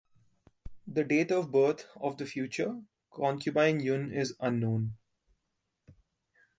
The date of birth of the future Concubine Yun is unknown.